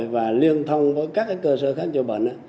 và liên thông với các cơ sở khám chữa bệnh